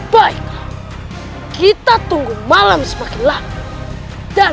baik kita tunggu malam semakin lama